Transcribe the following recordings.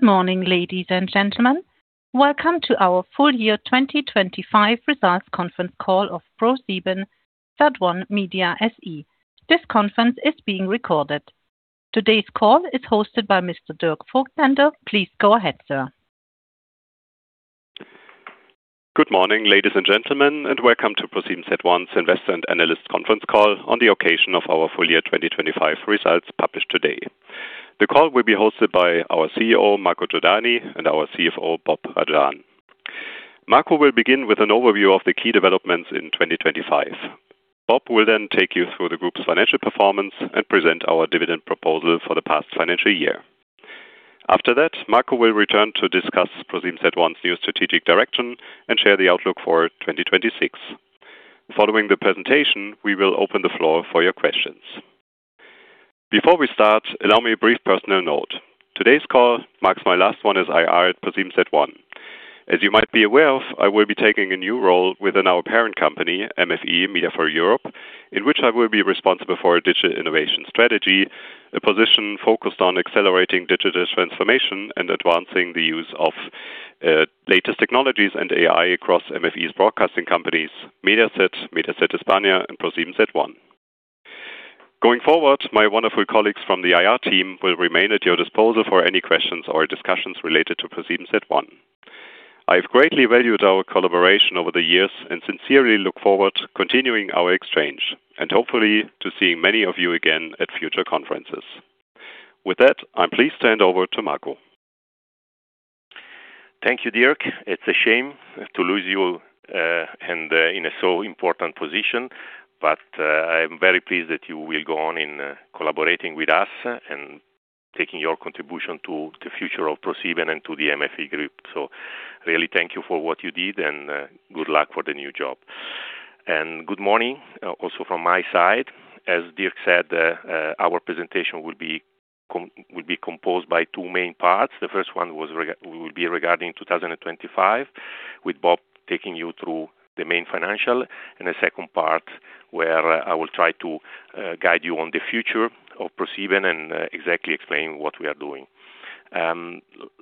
Good morning, ladies and gentlemen. Welcome to our Full Year 2025 Results Conference Call of ProSiebenSat.1 Media SE. This conference is being recorded. Today's call is hosted by Mr. Dirk Voigtländer. Please go ahead, sir. Good morning, ladies and gentlemen, and welcome to ProSiebenSat.1's Investor and Analyst Conference Call on the occasion of our full year 2025 results published today. The call will be hosted by our CEO, Marco Giordani, and our CFO, Bob Rajan. Marco will begin with an overview of the key developments in 2025. Bob will then take you through the group's financial performance and present our dividend proposal for the past financial year. After that, Marco will return to discuss ProSiebenSat.1's new strategic direction and share the outlook for 2026. Following the presentation, we will open the floor for your questions. Before we start, allow me a brief personal note. Today's call marks my last one as IR at ProSiebenSat.1. As you might be aware of, I will be taking a new role within our parent company, MFE-MediaForEurope, in which I will be responsible for digital innovation strategy, a position focused on accelerating digital transformation and advancing the use of latest technologies and AI across MFE-MediaForEurope's broadcasting companies, Mediaset España, and ProSiebenSat.1. Going forward, my wonderful colleagues from the IR team will remain at your disposal for any questions or discussions related to ProSiebenSat.1. I've greatly valued our collaboration over the years and sincerely look forward to continuing our exchange and hopefully to seeing many of you again at future conferences. With that, I'm pleased to hand over to Marco. Thank you, Dirk. It's a shame to lose you in so important position, but I'm very pleased that you will go on collaborating with us and taking your contribution to the future of ProSiebenSat.1 and to the MFE-MediaForEurope. Really thank you for what you did, and good luck for the new job. Good morning, also from my side. As Dirk said, our presentation will be composed by two main parts. The first one will be regarding 2025, with Bob taking you through the main financial. The second part where I will try to guide you on the future of ProSiebenSat.1 and exactly explain what we are doing.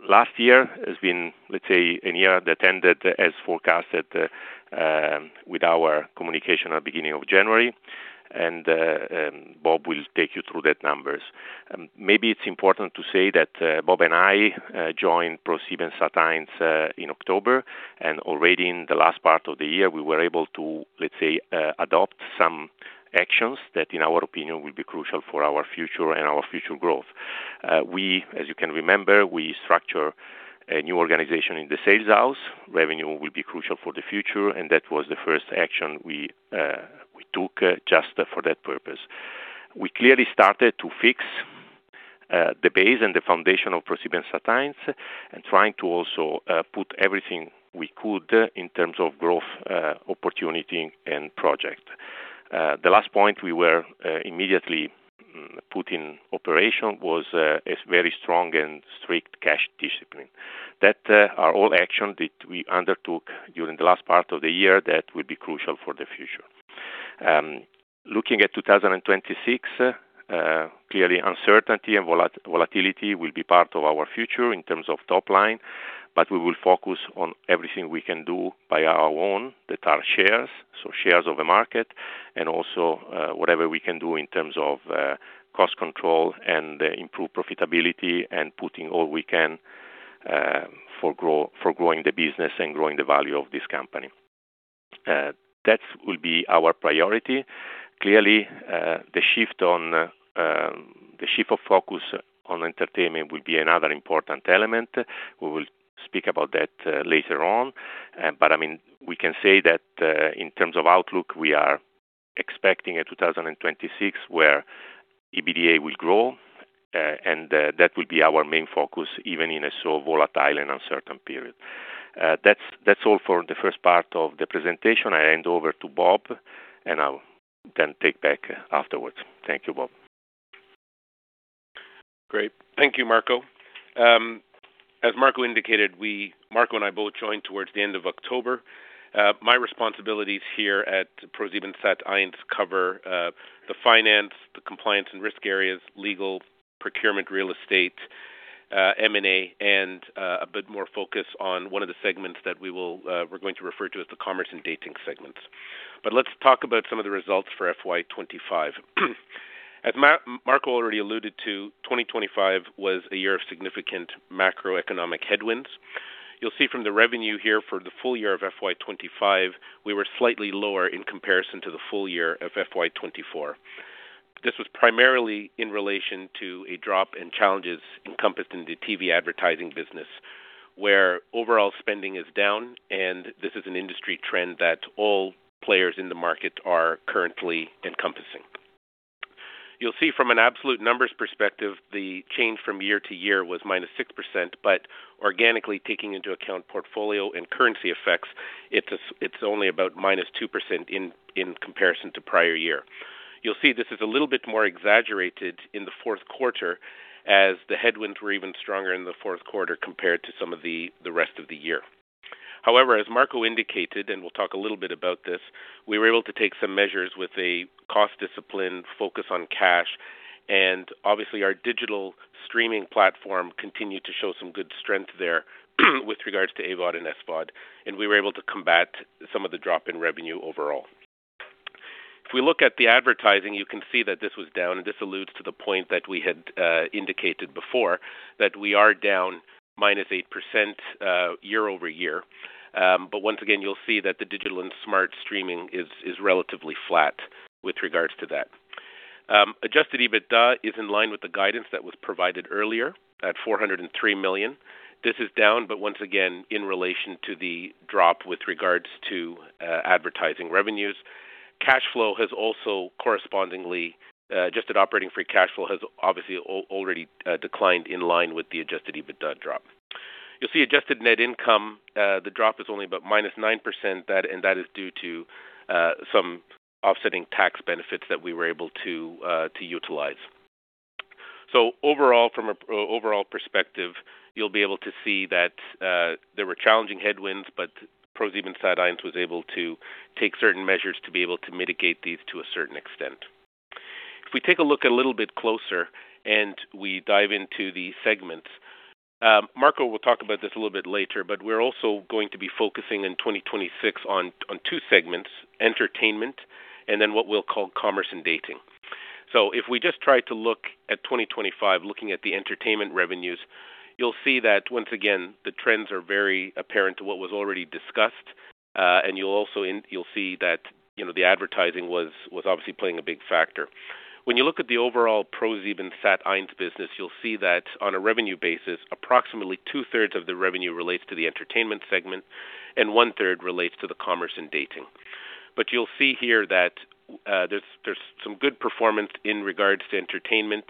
Last year has been, let's say, a year that ended as forecasted, with our communication at beginning of January, and Bob will take you through those numbers. Maybe it's important to say that Bob and I joined ProSiebenSat.1 in October, and already in the last part of the year, we were able to, let's say, adopt some actions that, in our opinion, will be crucial for our future and our future growth. We, as you can remember, structure a new organization in the sales house. Revenue will be crucial for the future, and that was the first action we took just for that purpose. We clearly started to fix the base and the foundation of ProSiebenSat.1 and trying to also put everything we could in terms of growth, opportunity and project. The last point we were immediately put in operation was a very strong and strict cash discipline. That are all actions that we undertook during the last part of the year that will be crucial for the future. Looking at 2026, clearly uncertainty and volatility will be part of our future in terms of top line, but we will focus on everything we can do by our own that are shares, so shares of the market, and also, whatever we can do in terms of, cost control and improve profitability and putting all we can, for growing the business and growing the value of this company. That will be our priority. Clearly, the shift of focus on entertainment will be another important element. We will speak about that, later on. I mean, we can say that, in terms of outlook, we are expecting a 2026 where EBITDA will grow, and that will be our main focus even in a such volatile and uncertain period. That's all for the first part of the presentation. I hand over to Bob, and I'll then take back afterwards. Thank you, Bob. Great. Thank you, Marco. As Marco indicated, Marco and I both joined towards the end of October. My responsibilities here at ProSiebenSat.1 cover the finance, the compliance and risk areas, legal, procurement, real estate, M&A, and a bit more focus on one of the segments that we're going to refer to as the commerce and dating segments. Let's talk about some of the results for FY 2025. As Marco already alluded to, 2025 was a year of significant macroeconomic headwinds. You'll see from the revenue here for the full year of FY 2025, we were slightly lower in comparison to the full year of FY 2024. This was primarily in relation to a drop in challenges encompassed in the TV advertising business, where overall spending is down, and this is an industry trend that all players in the market are currently encompassing. You'll see from an absolute numbers perspective, the change from year to year was minus 6%, but organically taking into account portfolio and currency effects, it's only about minus 2% in comparison to prior year. You'll see this is a little bit more exaggerated in the Q4 as the headwinds were even stronger in the Q4 compared to some of the rest of the year. However, as Marco indicated, and we'll talk a little bit about this, we were able to take some measures with a cost discipline focus on cash, and obviously our digital streaming platform continued to show some good strength there with regards to AVOD and SVOD, and we were able to combat some of the drop in revenue overall. If we look at the advertising, you can see that this was down, and this alludes to the point that we had indicated before that we are down -8% year-over-year. Once again, you'll see that the digital and smart streaming is relatively flat with regards to that. Adjusted EBITDA is in line with the guidance that was provided earlier at 403 million. This is down, but once again, in relation to the drop with regards to advertising revenues. Cash flow has also correspondingly adjusted operating free cash flow has obviously already declined in line with the adjusted EBITDA drop. You'll see adjusted net income, the drop is only about -9%, and that is due to some offsetting tax benefits that we were able to utilize. Overall, from an overall perspective, you'll be able to see that there were challenging headwinds, but ProSiebenSat.1 was able to take certain measures to be able to mitigate these to a certain extent. If we take a look a little bit closer and we dive into the segments, Marco will talk about this a little bit later, but we're also going to be focusing in 2026 on two segments: Entertainment and then what we'll call Commerce and Dating. If we just try to look at 2025, looking at the Entertainment revenues, you'll see that once again, the trends are very apparent to what was already discussed. You'll also see that, you know, the advertising was obviously playing a big factor. When you look at the overall ProSiebenSat.1 business, you'll see that on a revenue basis, approximately 2/3 of the revenue relates to the Entertainment segment, and 1/3 relates to the Commerce and Dating. You'll see here that there's some good performance in regards to Entertainment.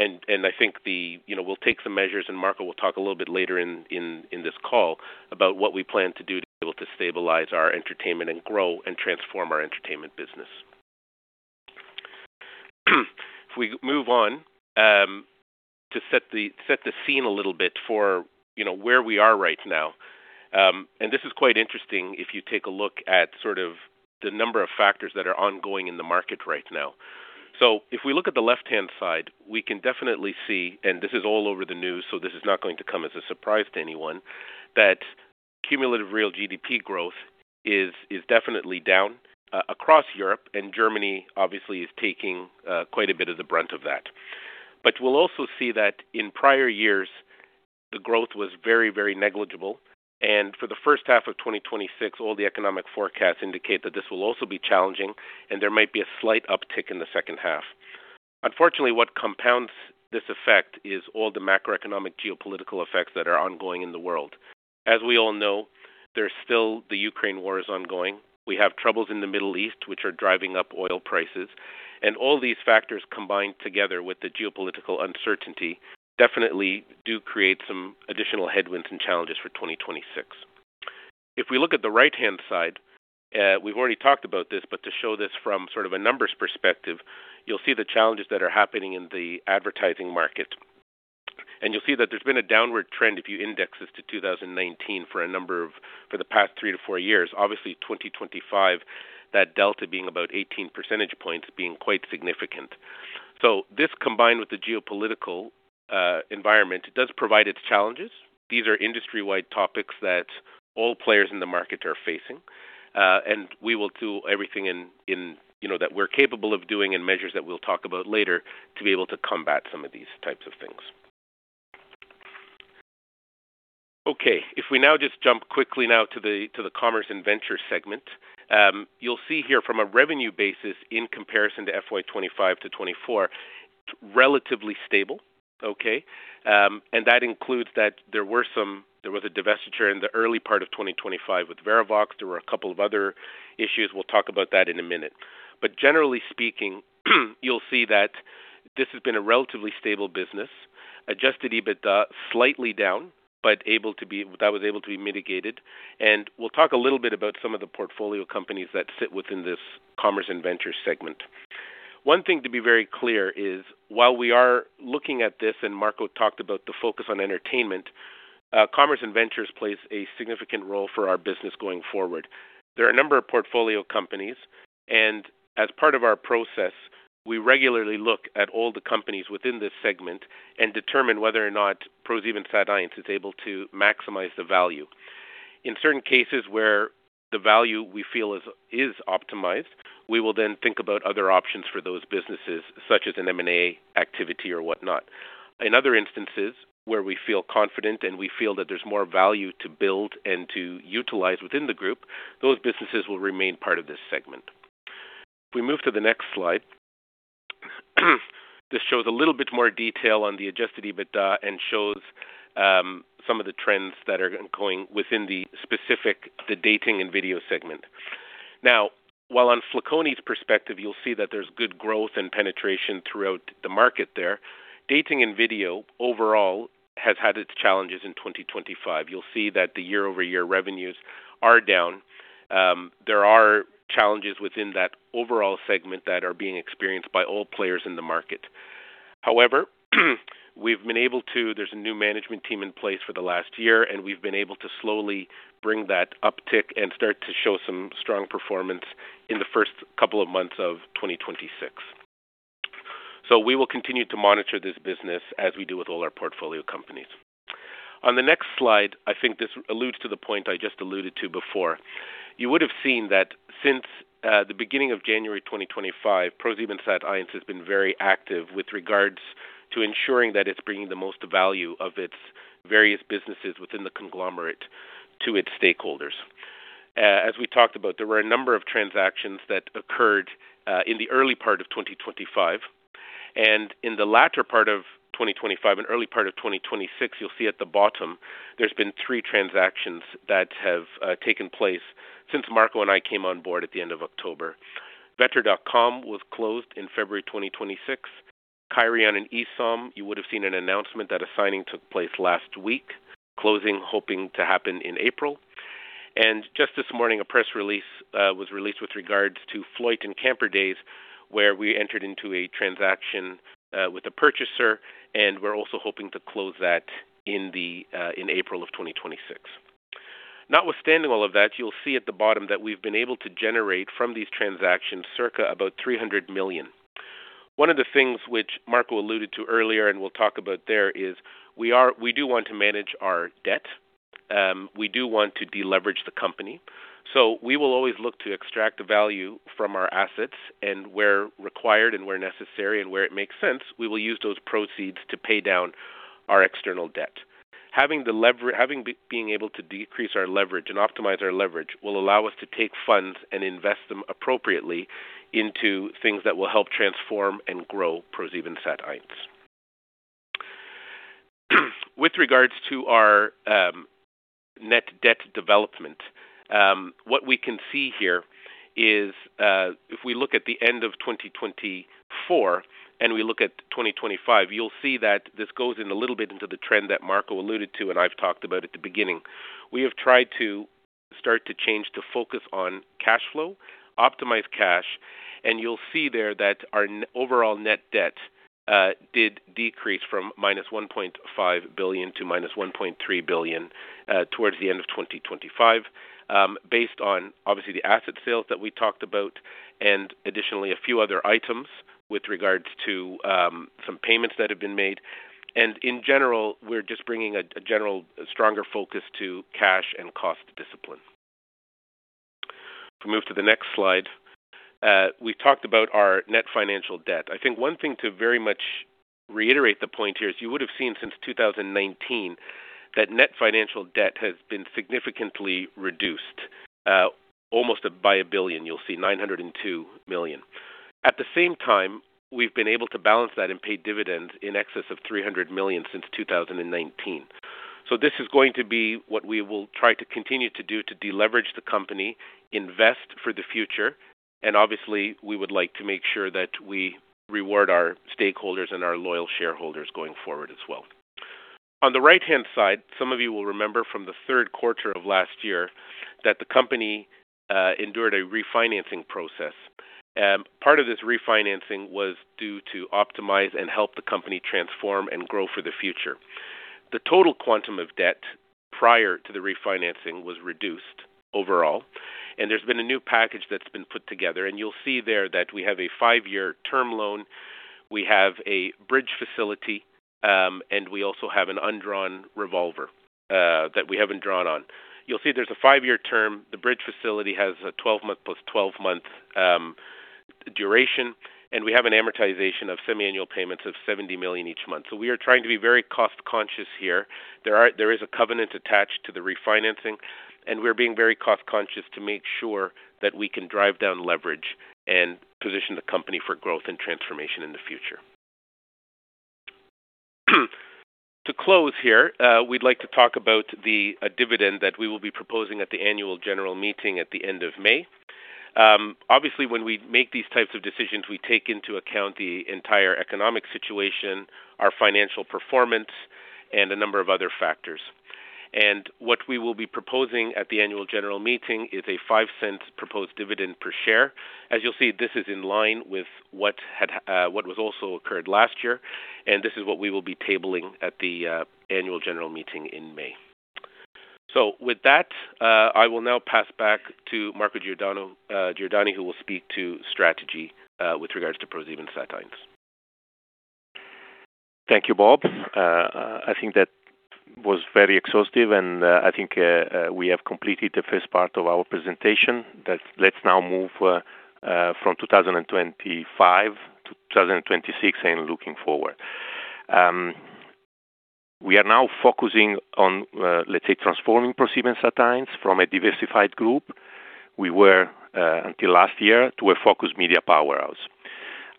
I think you know, we'll take some measures, and Marco will talk a little bit later in this call about what we plan to do to be able to stabilize our entertainment and grow and transform our entertainment business. If we move on to set the scene a little bit for you know, where we are right now. This is quite interesting if you take a look at sort of the number of factors that are ongoing in the market right now. If we look at the left-hand side, we can definitely see, and this is all over the news, so this is not going to come as a surprise to anyone, that cumulative real GDP growth is definitely down across Europe, and Germany obviously is taking quite a bit of the brunt of that. We'll also see that in prior years, the growth was very, very negligible. For the first half of 2026, all the economic forecasts indicate that this will also be challenging, and there might be a slight uptick in the second half. Unfortunately, what compounds this effect is all the macroeconomic geopolitical effects that are ongoing in the world. As we all know, there's still the Ukraine war is ongoing. We have troubles in the Middle East, which are driving up oil prices. All these factors combined together with the geopolitical uncertainty definitely do create some additional headwinds and challenges for 2026. If we look at the right-hand side, we've already talked about this, but to show this from sort of a numbers perspective, you'll see the challenges that are happening in the advertising market. You'll see that there's been a downward trend if you index this to 2019 for the past three to four years. Obviously, 2025, that delta being about 18 percentage points being quite significant. This combined with the geopolitical environment, it does provide its challenges. These are industry-wide topics that all players in the market are facing. We will do everything in, you know, that we're capable of doing and measures that we'll talk about later to be able to combat some of these types of things. Okay. If we now just jump quickly to the Commerce & Ventures segment. You'll see here from a revenue basis in comparison to FY 2025 to 2024, relatively stable. Okay? That includes there was a divestiture in the early part of 2025 with Verivox. There were a couple of other issues. We'll talk about that in a minute. Generally speaking, you'll see that this has been a relatively stable business. Adjusted EBITDA slightly down, but that was able to be mitigated. We'll talk a little bit about some of the portfolio companies that sit within this commerce and venture segment. One thing to be very clear is while we are looking at this, and Marco talked about the focus on entertainment, commerce and ventures plays a significant role for our business going forward. There are a number of portfolio companies, and as part of our process, we regularly look at all the companies within this segment and determine whether or not ProSiebenSat.1 is able to maximize the value. In certain cases where the value we feel is optimized, we will then think about other options for those businesses, such as an M&A activity or whatnot. In other instances where we feel confident and we feel that there's more value to build and to utilize within the group, those businesses will remain part of this segment. If we move to the next slide, this shows a little bit more detail on the adjusted EBITDA and shows some of the trends that are going within the specific, the dating and video segment. Now, while on Flaconi's perspective, you'll see that there's good growth and penetration throughout the market there. Dating and video overall has had its challenges in 2025. You'll see that the year-over-year revenues are down. There are challenges within that overall segment that are being experienced by all players in the market. However, there's a new management team in place for the last year, and we've been able to slowly bring that uptick and start to show some strong performance in the first couple of months of 2026. We will continue to monitor this business as we do with all our portfolio companies. On the next slide, I think this alludes to the point I just alluded to before. You would have seen that since the beginning of January 2025, ProSiebenSat.1 has been very active with regards to ensuring that it's bringing the most value of its various businesses within the conglomerate to its stakeholders. As we talked about, there were a number of transactions that occurred in the early part of 2025, and in the latter part of 2025 and early part of 2026, you'll see at the bottom there's been three transactions that have taken place since Marco and I came on board at the end of October. Verivox.com was closed in February 2026. Kairion and esome, you would have seen an announcement that a signing took place last week, closing hoping to happen in April. Just this morning, a press release was released with regards to FLOYT and CamperDays, where we entered into a transaction with the purchaser, and we're also hoping to close that in the in April of 2026. Notwithstanding all of that, you'll see at the bottom that we've been able to generate from these transactions circa about 300 million. One of the things which Marco alluded to earlier and we'll talk about there is we do want to manage our debt. We do want to deleverage the company. We will always look to extract the value from our assets, and where required and where necessary and where it makes sense, we will use those proceeds to pay down our external debt. By being able to decrease our leverage and optimize our leverage will allow us to take funds and invest them appropriately into things that will help transform and grow ProSiebenSat.1. With regards to our net debt development, what we can see here is if we look at the end of 2024 and we look at 2025, you'll see that this goes in a little bit into the trend that Marco alluded to and I've talked about at the beginning. We have tried to start to change to focus on cash flow, optimize cash, and you'll see there that our overall net debt did decrease from -1.5 to -1.3 billion towards the end of 2025, based on obviously the asset sales that we talked about and additionally a few other items with regards to some payments that have been made. In general, we're just bringing a generally stronger focus to cash and cost discipline. If we move to the next slide, we talked about our net financial debt. I think one thing to very much reiterate the point here is you would have seen since 2019 that net financial debt has been significantly reduced, almost by 1 billion, you'll see 902 million. At the same time, we've been able to balance that and pay dividends in excess of 300 million since 2019. This is going to be what we will try to continue to do to deleverage the company, invest for the future, and obviously, we would like to make sure that we reward our stakeholders and our loyal shareholders going forward as well. On the right-hand side, some of you will remember from the Q3 of last year that the company endured a refinancing process. Part of this refinancing was due to optimize and help the company transform and grow for the future. The total quantum of debt prior to the refinancing was reduced overall, and there's been a new package that's been put together, and you'll see there that we have a five-year term loan, we have a bridge facility, and we also have an undrawn revolver that we haven't drawn on. You'll see there's a five-year term. The bridge facility has a 12-month plus 12-month duration, and we have an amortization of semiannual payments of 70 million each month. We are trying to be very cost-conscious here. There is a covenant attached to the refinancing, and we're being very cost-conscious to make sure that we can drive down leverage and position the company for growth and transformation in the future. To close here, we'd like to talk about the dividend that we will be proposing at the annual general meeting at the end of May. Obviously, when we make these types of decisions, we take into account the entire economic situation, our financial performance, and a number of other factors. What we will be proposing at the annual general meeting is a 0.05 proposed dividend per share. As you'll see, this is in line with what was also occurred last year, and this is what we will be tabling at the annual general meeting in May. With that, I will now pass back to Marco Giordani, who will speak to strategy with regards to ProSiebenSat.1. Thank you, Bob. I think that was very exhaustive, and I think we have completed the first part of our presentation. Let's now move from 2025 to 2026 and looking forward. We are now focusing on, let's say, transforming ProSiebenSat.1 from a diversified group we were until last year to a focused media powerhouse.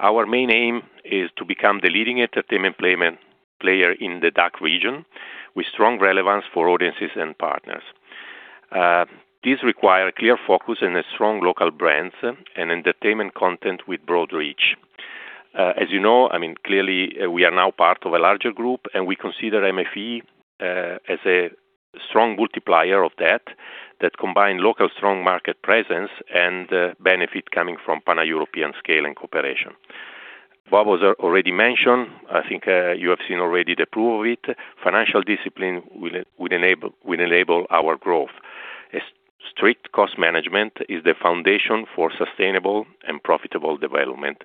Our main aim is to become the leading entertainment player in the DACH region with strong relevance for audiences and partners. This require clear focus and a strong local brands and entertainment content with broad reach. As you know, I mean, clearly, we are now part of a larger group, and we consider MFE as a strong multiplier of that that combine local strong market presence and benefit coming from pan-European scale and cooperation. What was already mentioned, I think you have seen already the proof of it. Financial discipline will enable our growth. Strict cost management is the foundation for sustainable and profitable development.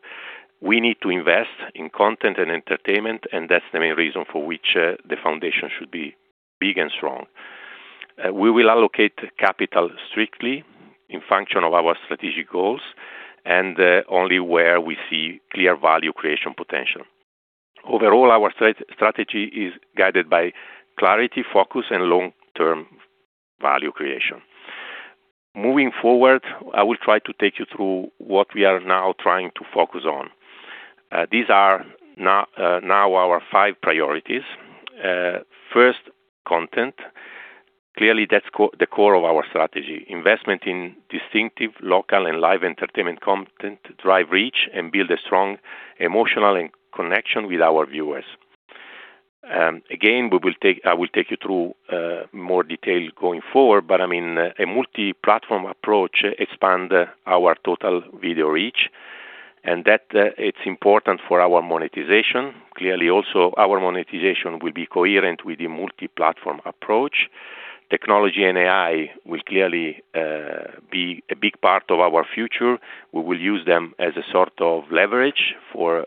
We need to invest in content and entertainment, and that's the main reason for which the foundation should be big and strong. We will allocate capital strictly in function of our strategic goals and only where we see clear value creation potential. Overall, our strategy is guided by clarity, focus, and long-term value creation. Moving forward, I will try to take you through what we are now trying to focus on. These are now our five priorities. First, content. Clearly, that's the core of our strategy. Investment in distinctive local and live entertainment content to drive reach and build a strong emotional connection with our viewers. Again, I will take you through more detail going forward, but I mean, a multi-platform approach expand our total video reach, and that it's important for our monetization. Clearly, also, our monetization will be coherent with the multi-platform approach. Technology and AI will clearly be a big part of our future. We will use them as a sort of leverage for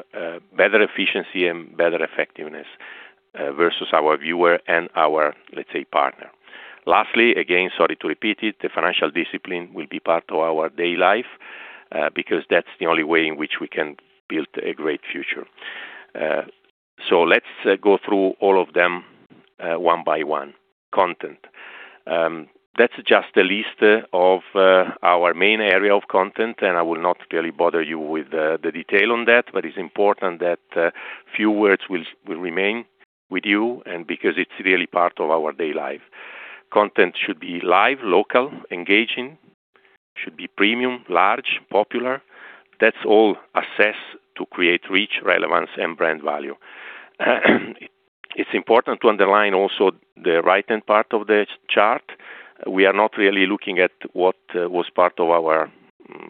better efficiency and better effectiveness versus our viewer and our, let's say, partner. Lastly, again, sorry to repeat it, the financial discipline will be part of our daily life because that's the only way in which we can build a great future. Let's go through all of them one by one. Content. That's just a list of our main area of content, and I will not really bother you with the detail on that, but it's important that a few words will remain with you and because it's really part of our daily life. Content should be live, local, engaging, should be premium, large, popular. That's all assessed to create reach, relevance, and brand value. It's important to underline also the right-hand part of the chart. We are not really looking at what was part of our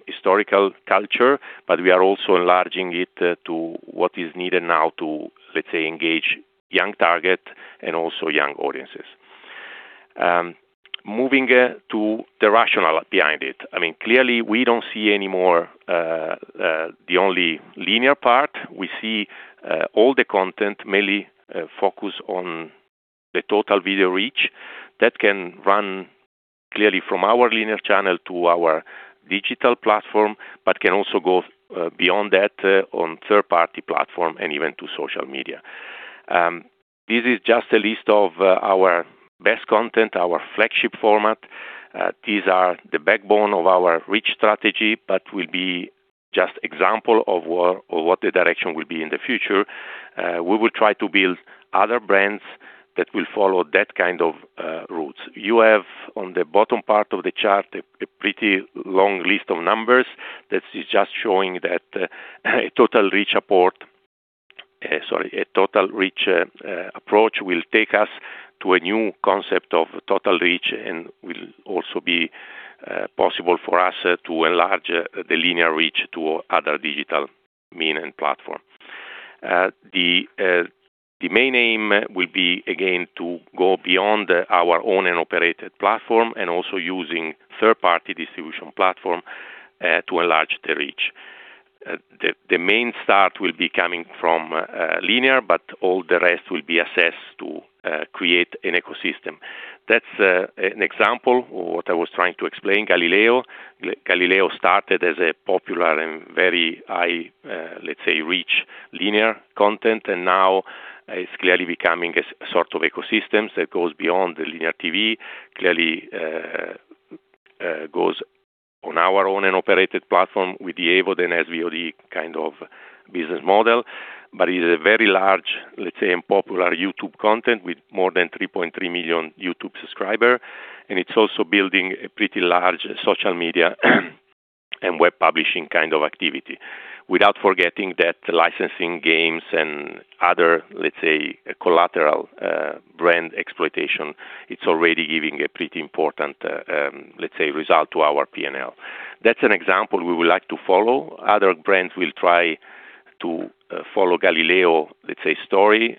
historical culture, but we are also enlarging it to what is needed now to, let's say, engage young target and also young audiences. Moving to the rationale behind it. I mean, clearly, we don't see anymore the only linear part. We see all the content mainly focus on the total video reach that can run clearly from our linear channel to our digital platform, but can also go beyond that on third-party platforms and even to social media. This is just a list of our best content, our flagship format. These are the backbone of our reach strategy, but will be just example of what the direction will be in the future. We will try to build other brands that will follow that kind of route. You have on the bottom part of the chart a pretty long list of numbers that is just showing that a total reach approach will take us to a new concept of total reach and will also be possible for us to enlarge the linear reach to other digital means and platforms. The main aim will be, again, to go beyond our own and operated platform and also using third-party distribution platform to enlarge the reach. The main start will be coming from linear, but all the rest will be assessed to create an ecosystem. That's an example of what I was trying to explain. Galileo started as a popular and very high, let's say, reach linear content, and now it's clearly becoming a sort of ecosystem that goes beyond the linear TV. It clearly goes on our own and operated platform with the AVOD and SVOD kind of business model, but it is a very large, let's say, and popular YouTube content with more than 3.3 million YouTube subscribers, and it's also building a pretty large social media and web publishing kind of activity without forgetting that licensing games and other, let's say, collateral brand exploitation. It's already giving a pretty important, let's say, result to our P&L. That's an example we would like to follow. Other brands will try to follow Galileo, let's say, story.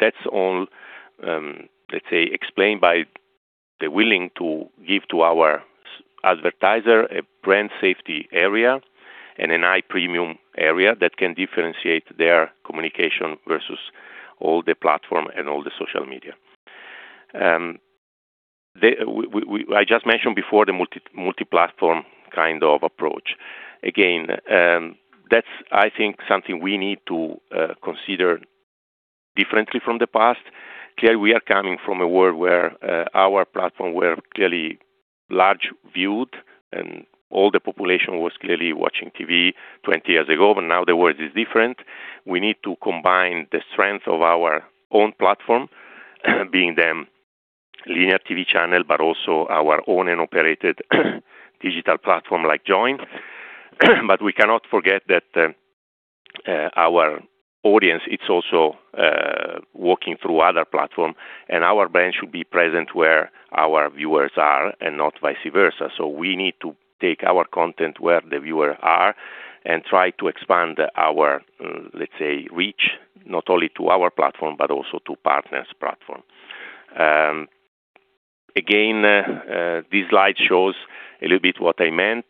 That's all, let's say, explained by the willingness to give to our advertisers a brand safety area and a high premium area that can differentiate their communication versus all the platforms and all the social media. I just mentioned before the multi-platform kind of approach. Again, that's, I think, something we need to consider differently from the past. Clearly, we are coming from a world where our platforms were clearly largely viewed and all the population was clearly watching TV 20 years ago, but now the world is different. We need to combine the strength of our own platforms, being linear TV channels, but also our owned and operated digital platforms like Joyn. We cannot forget that our audience is also working through other platforms, and our brand should be present where our viewers are and not vice versa. We need to take our content where the viewers are and try to expand our, let's say, reach, not only to our platform, but also to partners platform. Again, this slide shows a little bit what I meant.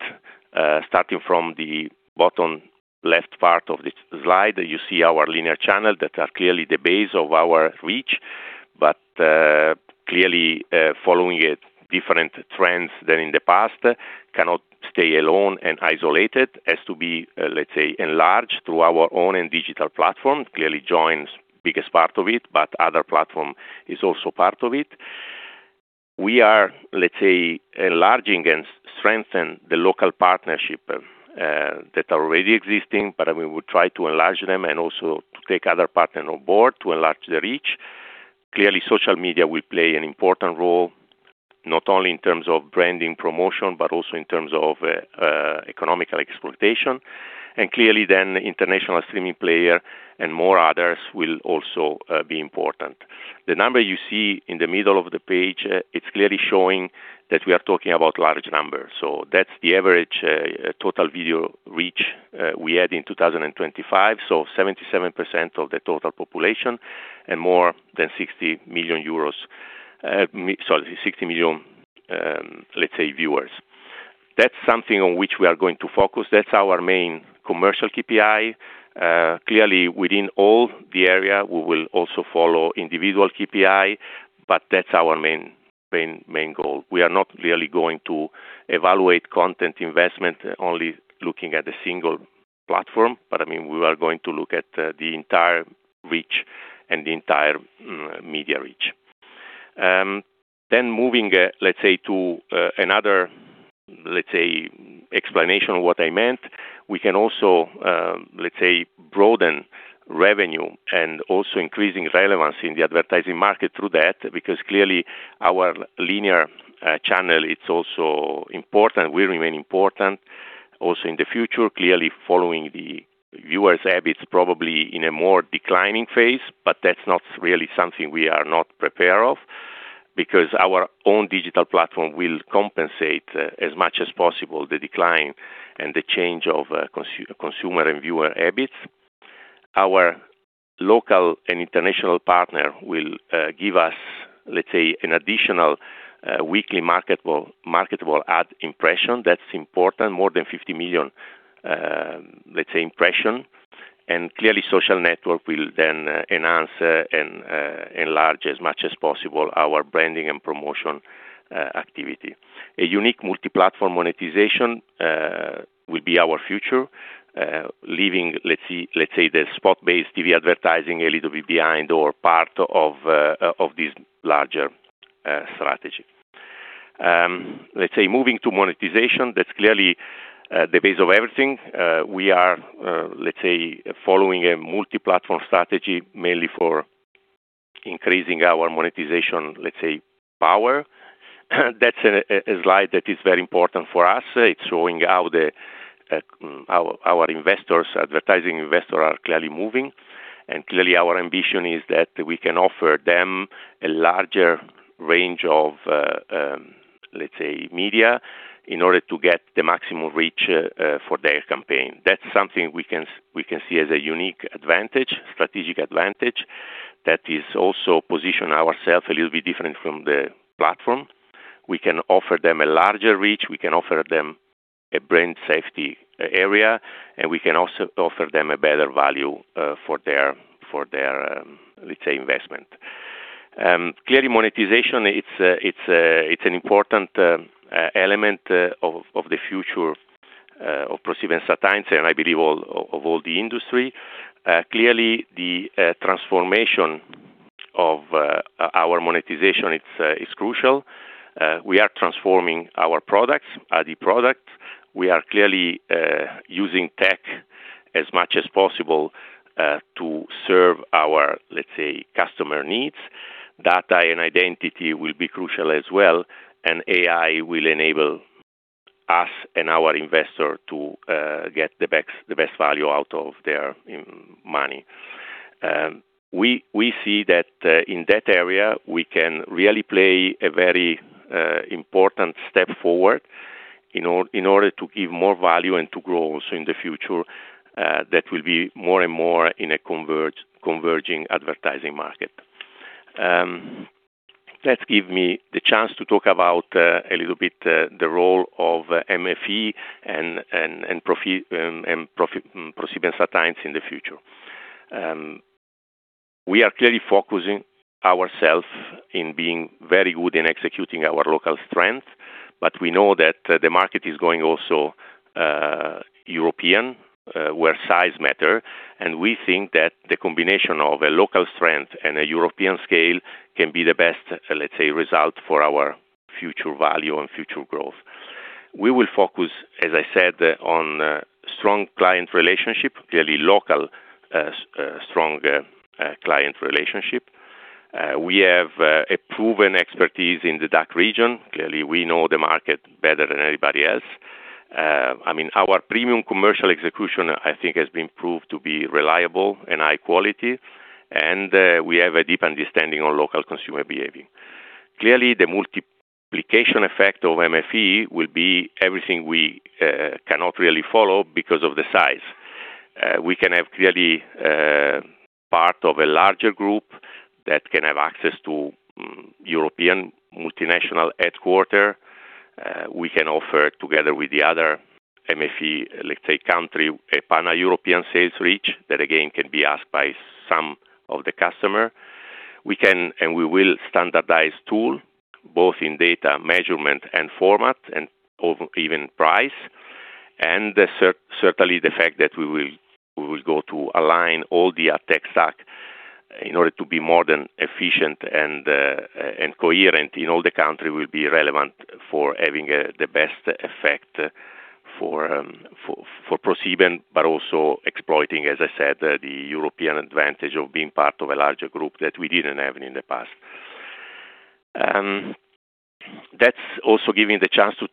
Starting from the bottom left part of this slide, you see our linear channels that are clearly the base of our reach. Clearly, following different trends than in the past, cannot stay alone and isolated. Has to be, let's say, enlarged through our own and digital platform. Clearly Joyn's biggest part of it, but other platform is also part of it. We are, let's say, enlarging and strengthen the local partnerships that are already existing, but, I mean, we try to enlarge them and also to take other partner on board to enlarge the reach. Clearly, social media will play an important role, not only in terms of branding promotion, but also in terms of economical exploitation. Clearly, international streaming player and more others will also be important. The number you see in the middle of the page, it's clearly showing that we are talking about large numbers. That's the average total video reach we had in 2025. 77% of the total population and more than 60 million viewers. That's something on which we are going to focus. That's our main commercial KPI. Clearly, within all the area, we will also follow individual KPI, but that's our main goal. We are not really going to evaluate content investment only looking at the single platform, but I mean, we are going to look at the entire reach and the entire media reach. Moving, let's say, to another, let's say, explanation of what I meant. We can also, let's say, broaden revenue and also increasing relevance in the advertising market through that, because clearly, our linear channel, it's also important. We remain important also in the future. Clearly, following the viewers habits is probably in a more declining phase, but that's not really something we are not prepared of because our own digital platform will compensate as much as possible the decline and the change of consumer and viewer habits. Our local and international partners will give us, let's say, an additional weekly marketable ad impression. That's important. More than 50 million, let's say, impression. Clearly, social network will then enhance and enlarge as much as possible our branding and promotion activity. A unique multi-platform monetization will be our future, let's say, the spot-based TV advertising a little bit behind or part of this larger strategy. Let's say, moving to monetization. That's clearly the base of everything. We are, let's say, following a multi-platform strategy mainly for increasing our monetization, let's say, power. That's a slide that is very important for us. It's showing how the our advertising investors are clearly moving. Clearly, our ambition is that we can offer them a larger range of, let's say, media in order to get the maximum reach for their campaign. That's something we can see as a unique advantage, strategic advantage that is also position ourself a little bit different from the platform. We can offer them a larger reach, we can offer them a brand safety area, and we can also offer them a better value for their, for their, let's say, investment. Clearly monetization, it's an important element of the future of ProSiebenSat.1, and I believe all of all the industry. Clearly the transformation of our monetization is crucial. We are transforming our products, ad products. We are clearly using tech as much as possible to serve our, let's say, customer needs. Data and identity will be crucial as well, and AI will enable us and our investor to get the best value out of their money. We see that in that area, we can really play a very important step forward in order to give more value and to grow also in the future, that will be more and more in a converging advertising market. That give me the chance to talk about a little bit the role of MFE and ProSiebenSat.1 in the future. We are clearly focusing ourselves in being very good in executing our local strength, but we know that the market is going also European, where size matters, and we think that the combination of a local strength and a European scale can be the best, let's say, result for our future value and future growth. We will focus, as I said, on strong client relationship, clearly local, strong client relationship. We have a proven expertise in the DACH region. Clearly, we know the market better than anybody else. I mean, our premium commercial execution, I think, has been proved to be reliable and high quality, and we have a deep understanding on local consumer behavior. Clearly, the multiplier effect of MFE will be everything we cannot really follow because of the size. We can have clearly part of a larger group that can have access to European multinational headquarters. We can offer together with the other MFE, let's say countries, a pan-European sales reach that again can be attractive to some of the customers. We can, and we will standardize tools, both in data measurement and format and even pricing. Certainly the fact that we will go to align all the AdTech stack in order to be more efficient and coherent in all the countries will be relevant for having the best effect for our production, but also exploiting, as I said, the European advantage of being part of a larger group that we didn't have in the past. That's also giving the chance to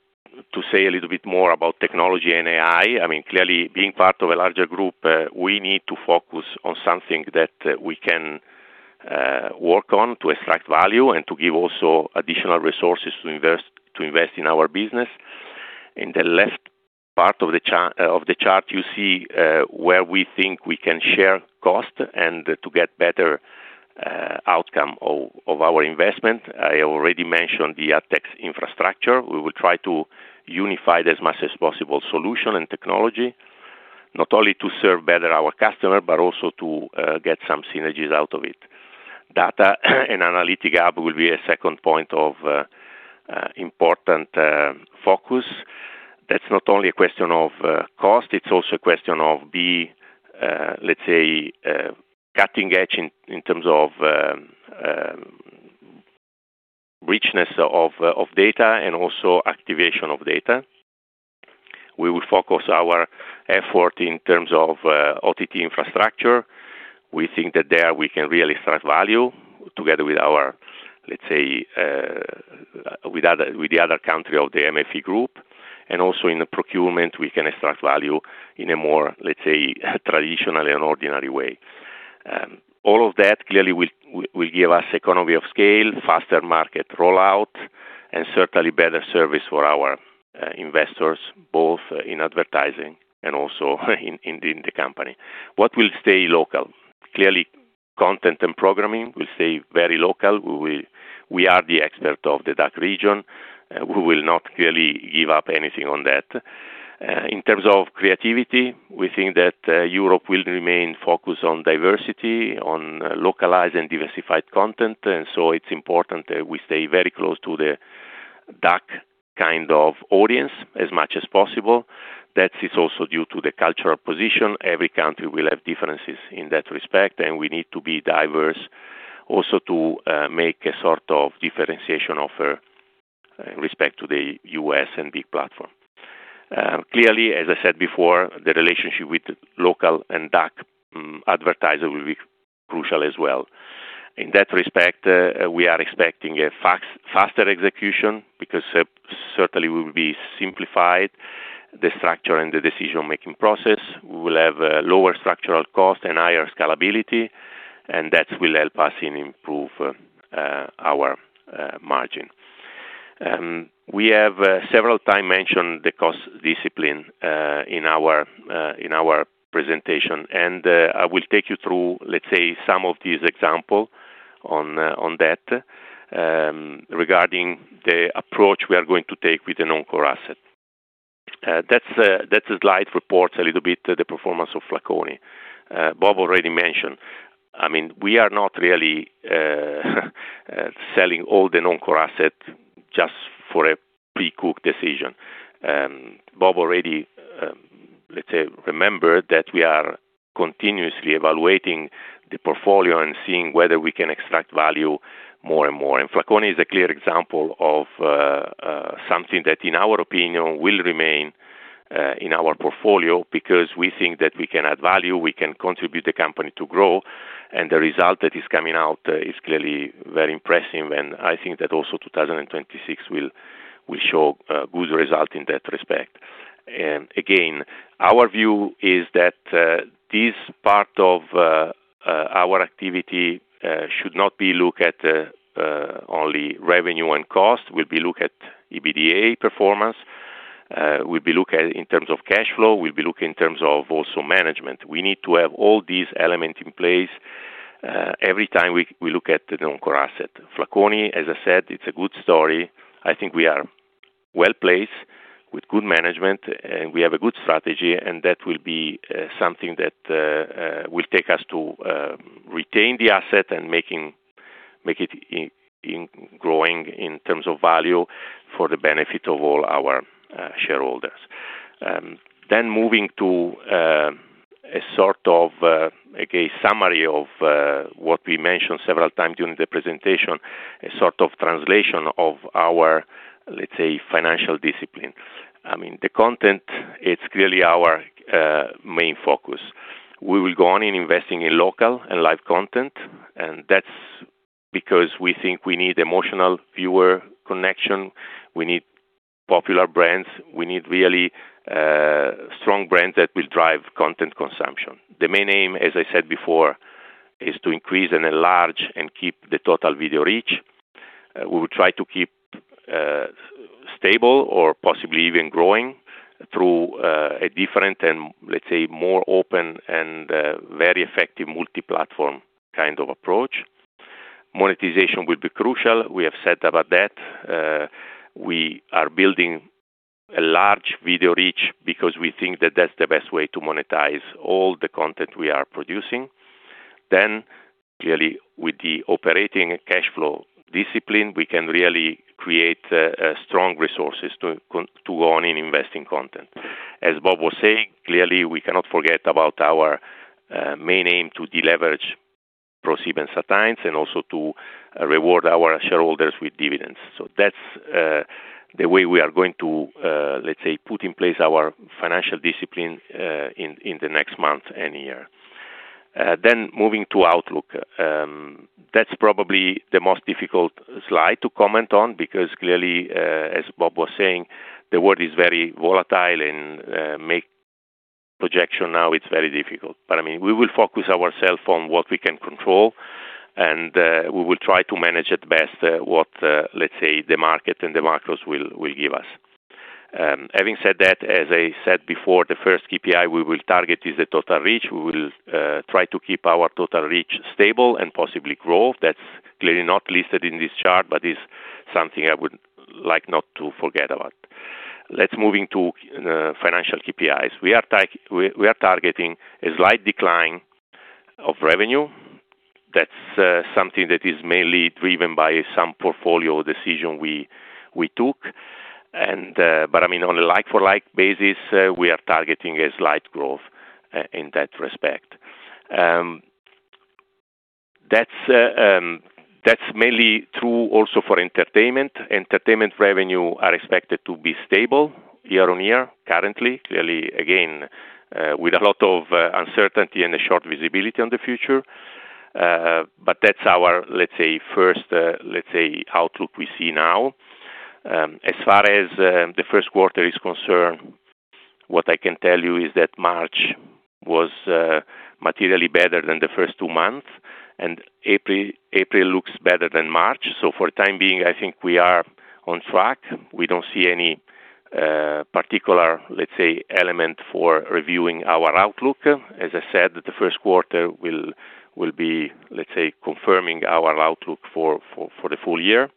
say a little bit more about technology and AI. I mean, clearly being part of a larger group, we need to focus on something that we can work on to extract value and to give also additional resources to invest in our business. In the left part of the chart, you see where we think we can share cost and to get better outcome of our investment. I already mentioned the AdTech infrastructure. We will try to unify it as much as possible, solution and technology, not only to serve better our customer, but also to get some synergies out of it. Data and analytics app will be a second point of important focus. That's not only a question of cost, it's also a question of, let's say, cutting edge in terms of richness of data and also activation of data. We will focus our effort in terms of OTT infrastructure. We think that there we can really extract value together with our, let's say, with the other country of the MFE group, and also in the procurement, we can extract value in a more, let's say, traditional and ordinary way. All of that clearly will give us economies of scale, faster market rollout, and certainly better service for our investors, both in advertising and also in the company. What will stay local? Clearly, content and programming will stay very local. We are the expert of the DACH region. We will not clearly give up anything on that. In terms of creativity, we think that Europe will remain focused on diversity, on localized and diversified content, and it's important that we stay very close to the DACH kind of audience as much as possible. That is also due to the cultural position. Every country will have differences in that respect, and we need to be diverse also to make a sort of differentiation offer in respect to the U.S. and big platform. Clearly, as I said before, the relationship with local and DACH advertiser will be crucial as well. In that respect, we are expecting faster execution because certainly we will simplify the structure and the decision-making process. We will have a lower structural cost and higher scalability, and that will help us improve our margin. We have several times mentioned the cost discipline in our presentation, and I will take you through, let's say, some of these examples on that, regarding the approach we are going to take with the non-core asset. That's a slide that reports a little bit the performance of Flaconi. Bob already mentioned, I mean, we are not really selling all the non-core asset just for a preconceived decision. Bob already, let's say, reminded that we are continuously evaluating the portfolio and seeing whether we can extract value more and more. Flaconi is a clear example of something that, in our opinion, will remain in our portfolio because we think that we can add value, we can contribute the company to grow, and the result that is coming out is clearly very impressive. I think that also 2026 will show good result in that respect. Again, our view is that this part of our activity should not be looked at only revenue and cost. We'll be look at EBITDA performance. We'll be look at in terms of cash flow. We'll be looking in terms of also management. We need to have all these elements in place every time we look at the non-core asset. Flaconi, as I said, it's a good story. I think we are well-placed with good management, and we have a good strategy, and that will be something that will take us to retain the asset and make it grow in terms of value for the benefit of all our shareholders. Moving to a sort of, again, summary of what we mentioned several times during the presentation, a sort of translation of our, let's say, financial discipline. I mean, the content, it's clearly our main focus. We will go on in investing in local and live content, and that's because we think we need emotional viewer connection. We need popular brands. We need really strong brands that will drive content consumption. The main aim, as I said before, is to increase and enlarge and keep the total video reach. We will try to keep stable or possibly even growing through a different and, let's say, more open and very effective multi-platform kind of approach. Monetization will be crucial. We have said about that. We are building a large video reach because we think that that's the best way to monetize all the content we are producing. Clearly, with the operating cash flow discipline, we can really create a strong resources to continue to go on investing in content. As Bob was saying, clearly, we cannot forget about our main aim to deleverage ProSiebenSat.1 and also to reward our shareholders with dividends. That's the way we are going to, let's say, put in place our financial discipline in the next month and year. Moving to outlook. That's probably the most difficult slide to comment on because clearly, as Bob was saying, the world is very volatile and making projections now it's very difficult. I mean, we will focus ourselves on what we can control, and we will try to manage it best, whatever let's say the market and the macros will give us. Having said that, as I said before, the first KPI we will target is the total reach. We will try to keep our total reach stable and possibly grow. That's clearly not listed in this chart, but it's something I would like not to forget about. Let's move into financial KPIs. We are targeting a slight decline of revenue. That's something that is mainly driven by some portfolio decision we took. I mean, on a like for like basis, we are targeting a slight growth in that respect. That's mainly true also for entertainment. Entertainment revenue are expected to be stable year on year currently. Clearly, again, with a lot of uncertainty and a short visibility on the future. That's our, let's say, first, let's say outlook we see now. As far as the Q1 is concerned, what I can tell you is that March was materially better than the first two months, and April looks better than March. For the time being, I think we are on track. We don't see any particular, let's say, element for reviewing our outlook. As I said, the Q1 will be, let's say, confirming our outlook for the full year.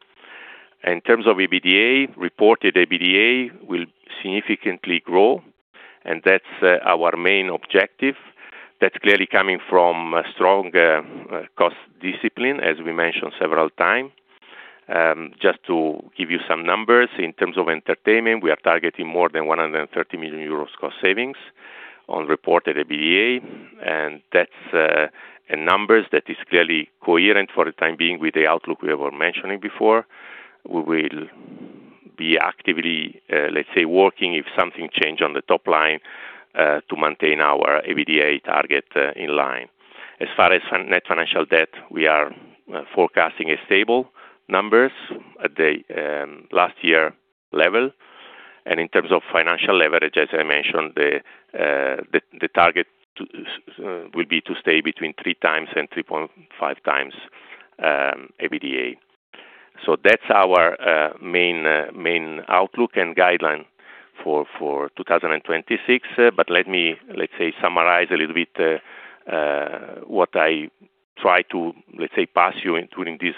In terms of EBITDA, reported EBITDA will significantly grow, and that's our main objective. That's clearly coming from a strong cost discipline, as we mentioned several times. Just to give you some numbers, in terms of entertainment, we are targeting more than 130 million euros cost savings on reported EBITDA. That's a number that is clearly coherent for the time being with the outlook we were mentioning before. We will be actively, let's say, working if something change on the top line to maintain our EBITDA target in line. As far as net financial debt, we are forecasting a stable number at the last year level. In terms of financial leverage, as I mentioned, the target will be to stay between 3x and 3.5x EBITDA. That's our main outlook and guideline for 2026. Let me summarize a little bit what I try to pass you including this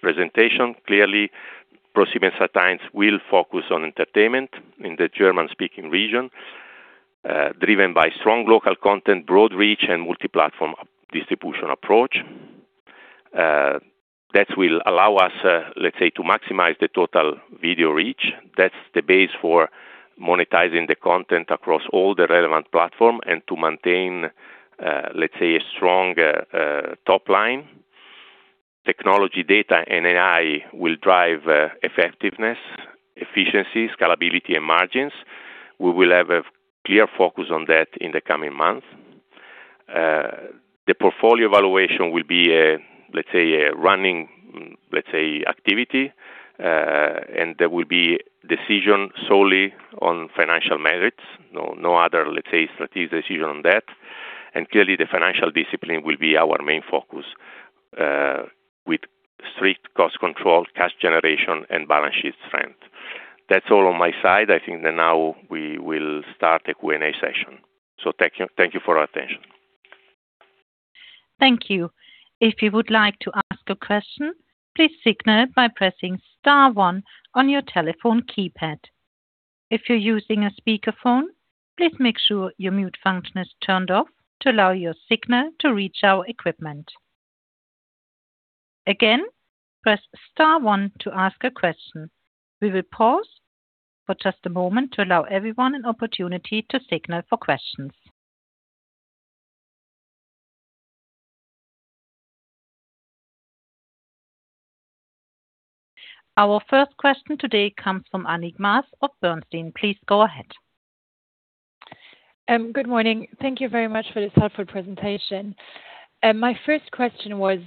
presentation. Clearly, ProSiebenSat.1 will focus on entertainment in the German-speaking region, driven by strong local content, broad reach, and multi-platform distribution approach. That will allow us, let's say, to maximize the total video reach. That's the base for monetizing the content across all the relevant platform and to maintain, let's say, a strong top line. Technology data and AI will drive effectiveness, efficiency, scalability, and margins. We will have a clear focus on that in the coming months. The portfolio evaluation will be a running activity. There will be decisions solely on financial merits. No other, let's say, strategic decision on that. Clearly, the financial discipline will be our main focus, with strict cost control, cash generation, and balance sheet strength. That's all on my side. I think that now we will start the Q&A session. Thank you, thank you for your attention. Thank you. If you would like to ask a question, please signal by pressing star one on your telephone keypad. If you're using a speakerphone, please make sure your mute function is turned off to allow your signal to reach our equipment. Again, press star one to ask a question. We will pause for just a moment to allow everyone an opportunity to signal for questions. Our first question today comes from Annick Maas of Bernstein. Please go ahead. Good morning. Thank you very much for this helpful presentation. My first question was,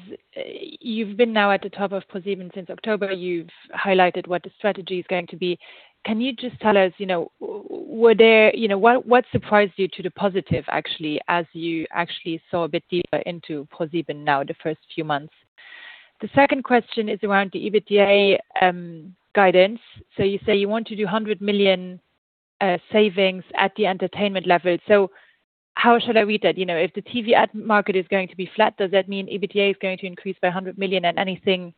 you've been now at the top of ProSieben since October. You've highlighted what the strategy is going to be. Can you just tell us, you know, what surprised you to the positive, actually, as you actually saw a bit deeper into ProSieben now, the first few months? The second question is around the EBITDA guidance. You say you want to do 100 million savings at the entertainment level. How should I read that? You know, if the TV ad market is going to be flat, does that mean EBITDA is going to increase by 100 million and anything,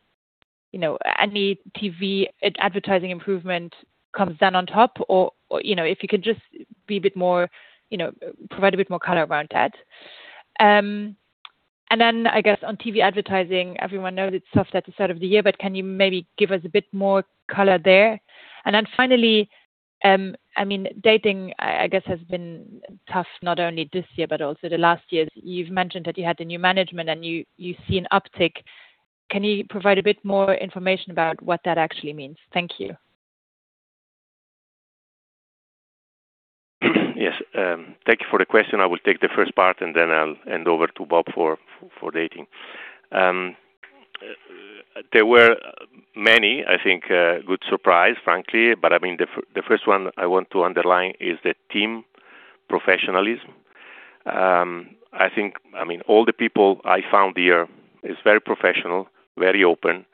you know, any TV advertising improvement comes then on top? You know, if you could just be a bit more, you know, provide a bit more color around that. I guess on TV advertising, everyone knows it's tough at the start of the year, but can you maybe give us a bit more color there? And finally I mean, dating, I guess, has been tough not only this year, but also the last years. You've mentioned that you had the new management and you see an uptick. Can you provide a bit more information about what that actually means? Thank you. Yes. Thank you for the question. I will take the first part, and then I'll hand over to Bob for dating. There were many, I think, good surprise, frankly, but I mean, the first one I want to underline is the team professionalism. I think, I mean, all the people I found here is very professional, very open,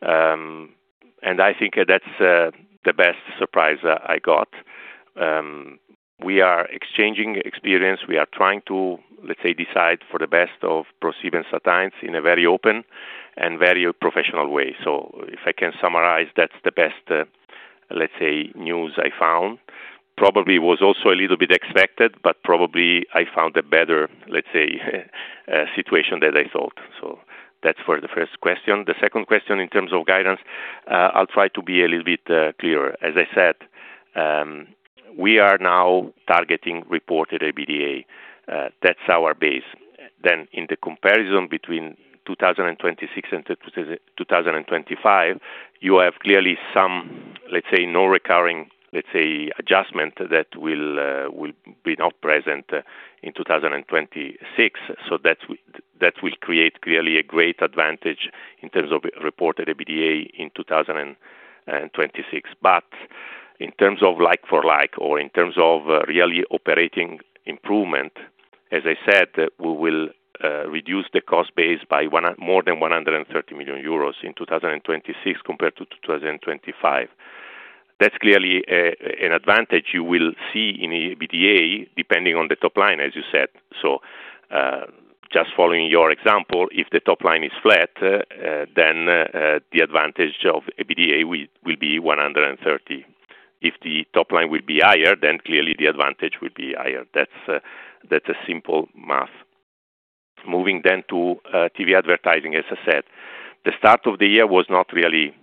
and I think that's the best surprise I got. We are exchanging experience. We are trying to, let's say, decide for the best of ProSiebenSat.1 in a very open and very professional way. If I can summarize, that's the best, let's say, news I found. Probably was also a little bit expected, but probably I found a better, let's say, situation than I thought. That's for the first question. The second question in terms of guidance, I'll try to be a little bit clearer. As I said, we are now targeting reported EBITDA. That's our base. In the comparison between 2026 and 2025, you have clearly some, let's say, non-recurring, let's say, adjustment that will be not present in 2026. That will create clearly a great advantage in terms of reported EBITDA in 2026. In terms of like for like or in terms of really operating improvement, as I said, we will reduce the cost base by more than 130 million euros in 2026 compared to 2025. That's clearly an advantage you will see in EBITDA, depending on the top line, as you said. Just following your example, if the top line is flat, then the advantage of EBITDA will be 130. If the top line will be higher, then clearly the advantage will be higher. That's a simple math. Moving then to TV advertising. As I said, the start of the year was not really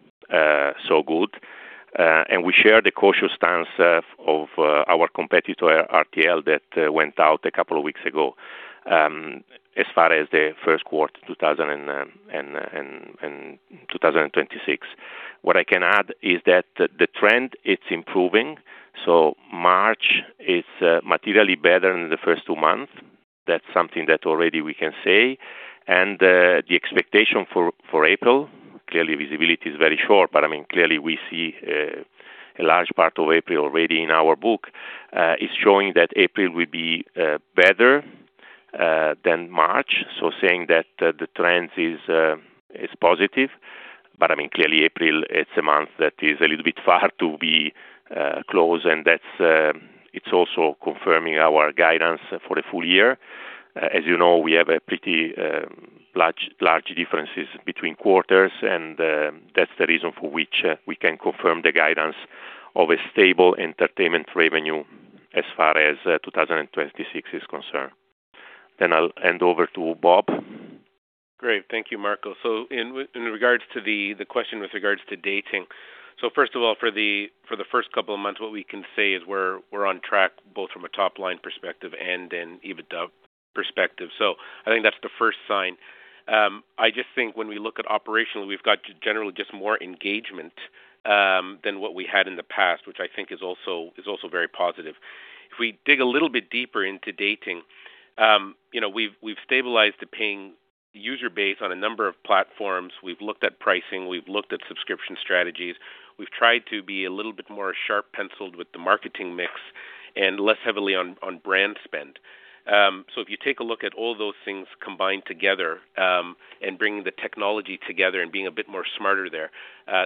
so good, and we share the cautious stance of our competitor RTL that went out a couple of weeks ago, as far as the Q1 2026. What I can add is that the trend, it's improving. March is materially better than the first two months. That's something that already we can say. The expectation for April, clearly visibility is very short, but I mean, clearly we see a large part of April already in our book is showing that April will be better than March. Saying that the trend is positive. I mean, clearly April, it's a month that is a little bit far to be close, and that's also confirming our guidance for the full year. As you know, we have a pretty large differences between quarters, and that's the reason for which we can confirm the guidance of a stable entertainment revenue as far as 2026 is concerned. I'll hand over to Bob. Great. Thank you, Marco. In regards to the question with regards to dating. First of all, for the first couple of months, what we can say is we're on track both from a top line perspective and an EBITDA perspective. I think that's the first sign. I just think when we look at operationally, we've got generally just more engagement than what we had in the past, which I think is also very positive. If we dig a little bit deeper into dating, you know, we've stabilized the paying user base on a number of platforms. We've looked at pricing, we've looked at subscription strategies. We've tried to be a little bit more sharp penciled with the marketing mix and less heavily on brand spend. If you take a look at all those things combined together, and bringing the technology together and being a bit more smarter there,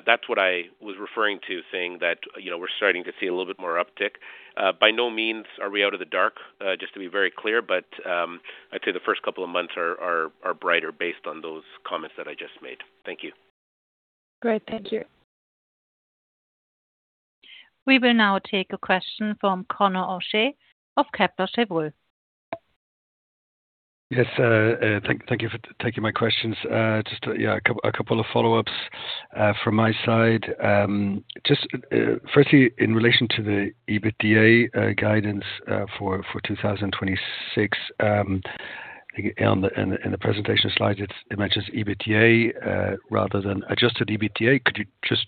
that's what I was referring to saying that, you know, we're starting to see a little bit more uptick. By no means are we out of the dark, just to be very clear. I'd say the first couple of months are brighter based on those comments that I just made. Thank you. Great. Thank you. We will now take a question from Conor O'Shea of Kepler Cheuvreux. Yes. Thank you for taking my questions. Just, yeah, a couple of follow-ups from my side. Just firstly, in relation to the EBITDA guidance for 2026, In the presentation slide, it mentions EBITDA rather than adjusted EBITDA. Could you just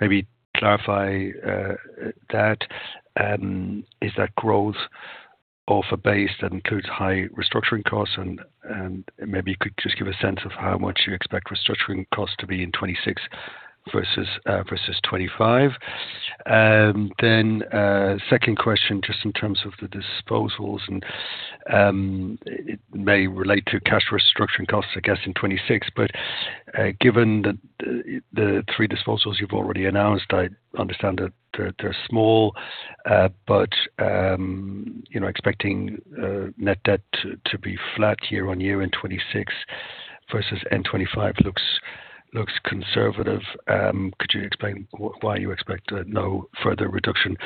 maybe clarify that? Is that growth of a base that includes high restructuring costs? And maybe you could just give a sense of how much you expect restructuring costs to be in 2026 versus 2025. Then, second question, just in terms of the disposals, and it may relate to cash restructuring costs, I guess, in 2026. But given that the three disposals you've already announced, I understand that they're small, but you know, expecting net debt to be flat year-on-year in 2026 versus 2025 looks conservative. Could you explain why you expect no further reduction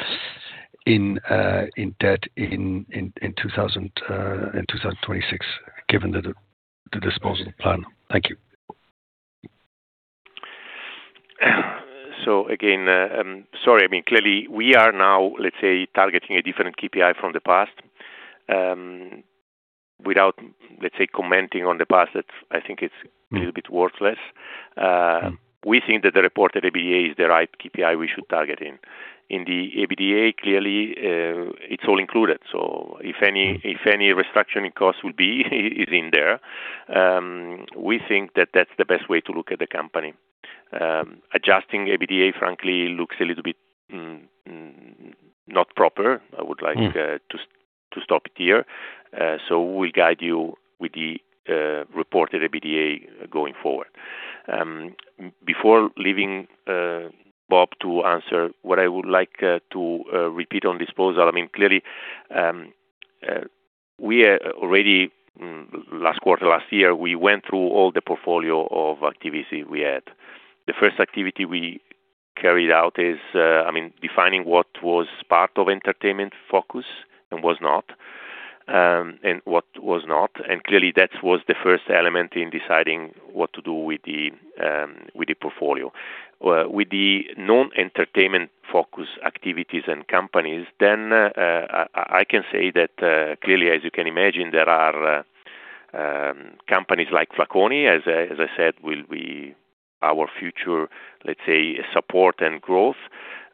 in debt in 2026, given the disposal plan? Thank you. Again, sorry. I mean, clearly we are now, let's say, targeting a different KPI from the past. Without, let's say, commenting on the past, I think it's a little bit worthless. We think that the reported EBITDA is the right KPI we should target in. In the EBITDA, clearly, it's all included. If any restructuring cost is in there, we think that that's the best way to look at the company. Adjusting EBITDA, frankly, looks a little bit not proper. I would like to stop it here. We guide you with the reported EBITDA going forward. Before leaving Bob to answer, what I would like to repeat on disposal. I mean, clearly, we are already last quarter, last year, we went through all the portfolio of activities we had. The first activity we carried out is, I mean, defining what was part of entertainment focus and was not, and what was not. Clearly, that was the first element in deciding what to do with the portfolio. With the non-entertainment focus activities and companies, then, I can say that, clearly, as you can imagine, there are companies like Flaconi, as I said, will be our future, let's say, support and growth.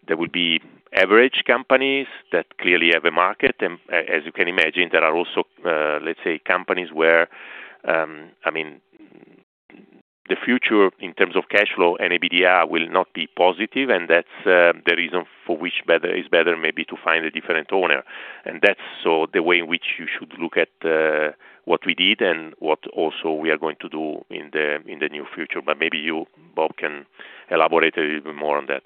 There will be average companies that clearly have a market. As you can imagine, there are also, let's say, companies where, I mean, the future in terms of cash flow and EBITDA will not be positive, and that's the reason for which is better maybe to find a different owner. That's the way in which you should look at what we did and what also we are going to do in the near future. Maybe you, Bob, can elaborate a little bit more on that.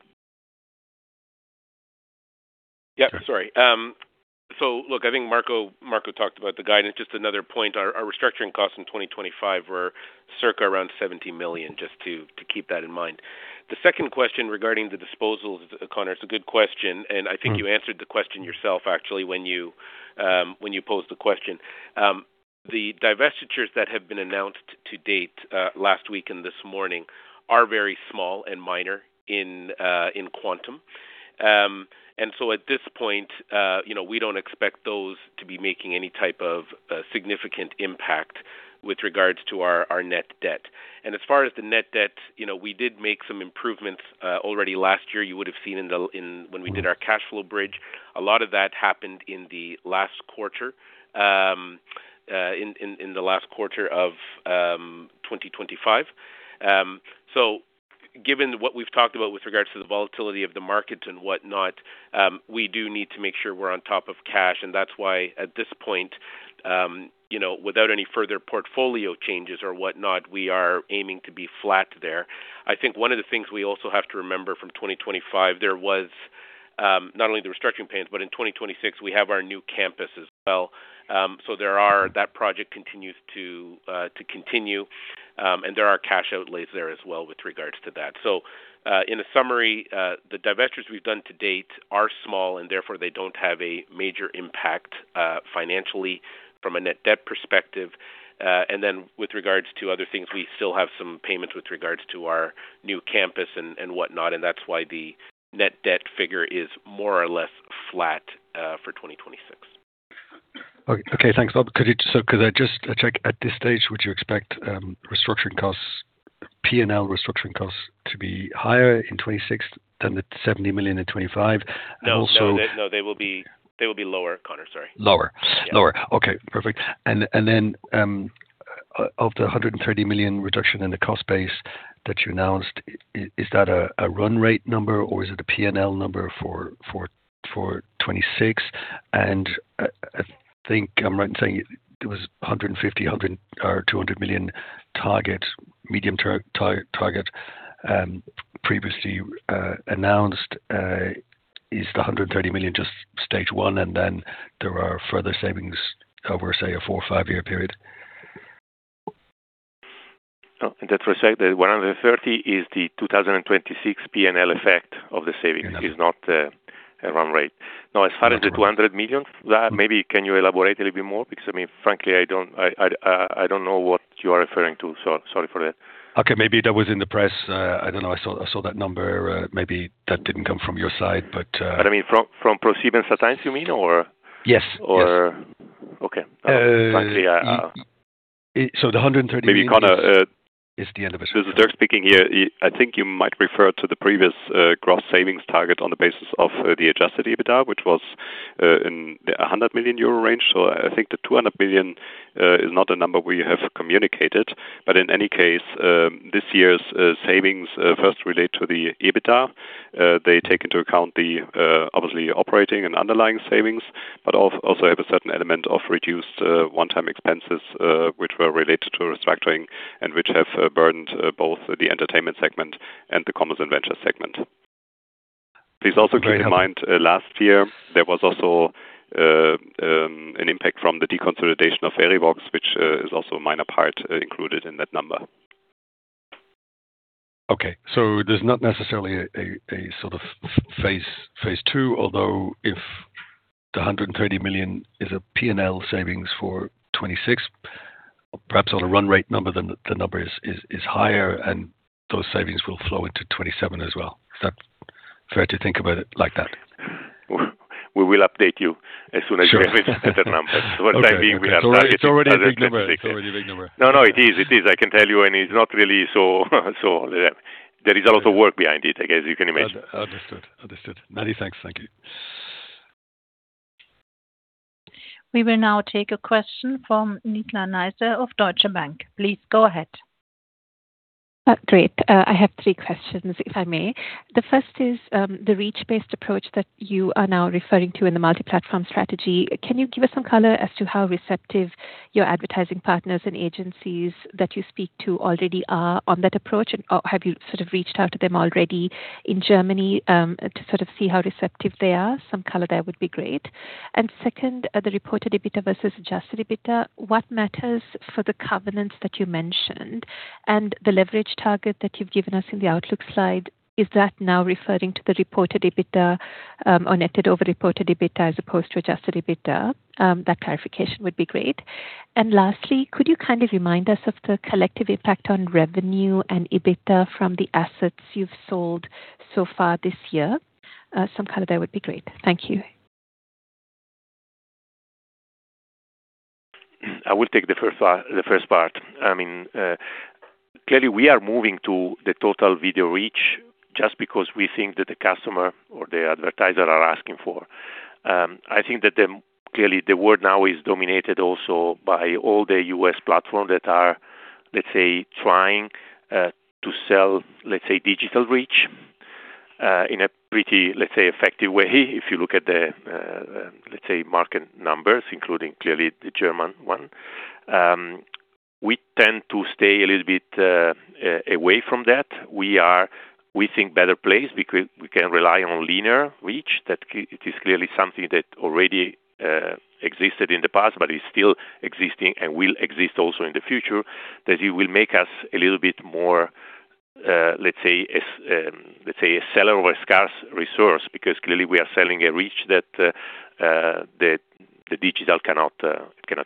Yeah, sorry. Look, I think Marco talked about the guidance. Just another point, our restructuring costs in 2025 were circa around 70 million, just to keep that in mind. The second question regarding the disposals, Conor, it's a good question, and I think you answered the question yourself actually when you posed the question. The divestitures that have been announced to date last week and this morning are very small and minor in quantum. At this point, you know, we don't expect those to be making any type of significant impact with regards to our net debt. As far as the net debt, you know, we did make some improvements already last year. You would have seen when we did our cash flow bridge. A lot of that happened in the last quarter of 2025. Given what we've talked about with regards to the volatility of the markets and whatnot, we do need to make sure we're on top of cash. That's why at this point, you know, without any further portfolio changes or whatnot, we are aiming to be flat there. I think one of the things we also have to remember from 2025, there was not only the restructuring payments, but in 2026, we have our new campus as well. That project continues to continue. There are cash outlays there as well with regards to that. In a summary, the divestitures we've done to date are small, and therefore they don't have a major impact, financially from a net debt perspective. With regards to other things, we still have some payments with regards to our new campus and whatnot, and that's why the net debt figure is more or less flat for 2026. Okay, thanks. Could I just check at this stage, would you expect restructuring costs, P&L restructuring costs to be higher in 2026 than the 70 million in 2025? Also- No, they will be lower, Conor. Sorry. Lower. Yeah. Lower. Okay, perfect. Then, of the 130 million reduction in the cost base that you announced, is that a run rate number, or is it a P&L number for 2026? I think I'm right in saying there was a 150 million, 100 million or 200 million target, medium-term target, previously announced. Is the 130 million just stage one, and then there are further savings over, say, a four- or five-year period? No. That's, for say, 130 is the 2026 P&L effect of the savings. Okay. It is not a run rate. Now, as far as the 200 million, that maybe can you elaborate a little bit more? Because, I mean, frankly, I don't know what you are referring to, so sorry for that. Okay. Maybe that was in the press. I don't know. I saw that number. Maybe that didn't come from your side, but. I mean, from ProSiebenSat.1, you mean? Or Yes. Yes. Okay. Uh- Frankly, I So the 130 million- Maybe, Conor Is the end of it. This is Dirk speaking here. I think you might refer to the previous gross savings target on the basis of the adjusted EBITDA, which was in the 100 million euro range. I think the 200 million is not a number we have communicated. In any case, this year's savings first relate to the EBITDA. They take into account the obviously operating and underlying savings, but also have a certain element of reduced one-time expenses, which were related to restructuring and which have burdened both the Entertainment segment and the Commerce & Ventures segment. Please also keep in mind, last year there was also an impact from the deconsolidation of Verivox, which is also a minor part included in that number. There's not necessarily a sort of phase two, although if the 130 million is a P&L savings for 2026, perhaps on a run rate number, then the number is higher and those savings will flow into 2027 as well. Is that fair to think about it like that? We will update you as soon as we have. Sure. Better numbers. For the time being, we have targeted It's already a big number. No, it is. I can tell you, and it's not really so, there is a lot of work behind it, I guess you can imagine. Understood. Many thanks. Thank you. We will now take a question from Nizla Naizer of Deutsche Bank. Please go ahead. Great. I have three questions, if I may. The first is, the reach-based approach that you are now referring to in the multi-platform strategy. Can you give us some color as to how receptive your advertising partners and agencies that you speak to already are on that approach? Or have you sort of reached out to them already in Germany, to sort of see how receptive they are? Some color there would be great. Second, the reported EBITDA versus adjusted EBITDA, what matters for the covenants that you mentioned and the leverage target that you've given us in the outlook slide, is that now referring to the reported EBITDA, or netted over reported EBITDA as opposed to adjusted EBITDA? That clarification would be great. Lastly, could you kind of remind us of the collective impact on revenue and EBITDA from the assets you've sold so far this year? Some color there would be great. Thank you. I will take the first part. I mean, clearly we are moving to the total video reach just because we think that the customer or the advertiser are asking for. I think that clearly the world now is dominated also by all the U.S. platforms that are, let's say, trying to sell, let's say, digital reach in a pretty, let's say, effective way. If you look at the, let's say, market numbers, including clearly the German one, we tend to stay a little bit away from that. We are, we think, better placed because we can rely on linear reach. It is clearly something that already existed in the past, but is still existing and will exist also in the future, that it will make us a little bit more, let's say, a seller of a scarce resource, because clearly we are selling a reach that the digital cannot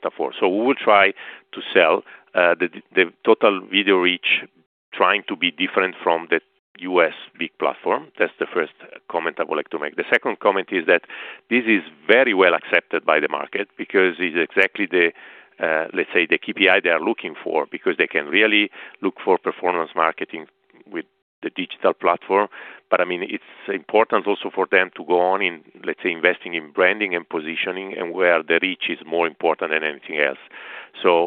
afford. We will try to sell the total video reach, trying to be different from the U.S. big platform. That's the first comment I would like to make. The second comment is that this is very well accepted by the market because it's exactly the, let's say, the KPI they are looking for, because they can really look for performance marketing with the digital platform. I mean, it's important also for them to go on in, let's say, investing in branding and positioning and where the reach is more important than anything else.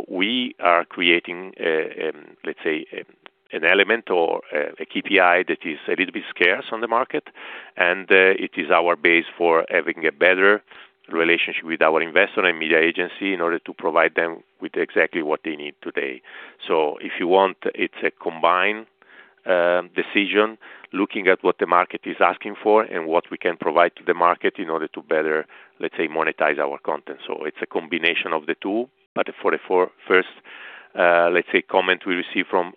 We are creating a, let's say, an element or a KPI that is a little bit scarce on the market, and it is our base for having a better relationship with our investor and media agency in order to provide them with exactly what they need today. If you want, it's a combined decision looking at what the market is asking for and what we can provide to the market in order to better, let's say, monetize our content. It's a combination of the two. For the first, let's say, comment we receive from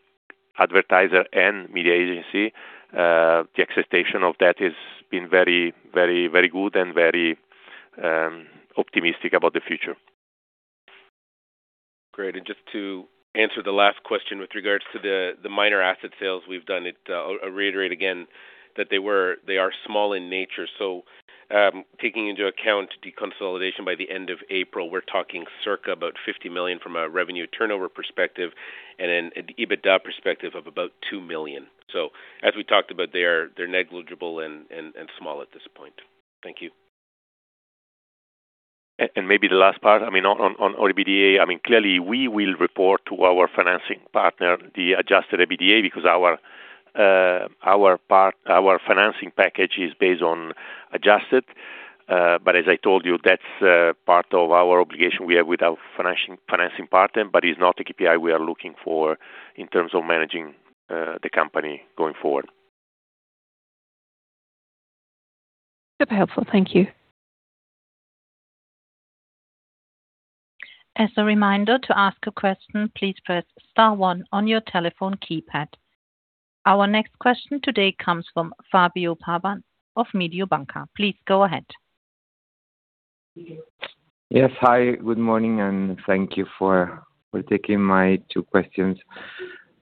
advertiser and media agency, the acceptance of that has been very good and very optimistic about the future. Great. Just to answer the last question with regards to the minor asset sales we've done, I'll reiterate again that they are small in nature. Taking into account deconsolidation by the end of April, we're talking circa about 50 million from a revenue turnover perspective and an EBITDA perspective of about 2 million. As we talked about, they're negligible and small at this point. Thank you. Maybe the last part, I mean, on OIBDA, I mean, clearly we will report to our financing partner the adjusted EBITDA because our financing package is based on adjusted. As I told you, that's part of our obligation we have with our financing partner, but it's not the KPI we are looking for in terms of managing the company going forward. Super helpful. Thank you. Our next question today comes from Fabio Pavan of Mediobanca. Please go ahead. Yes. Hi, good morning, and thank you for taking my two questions.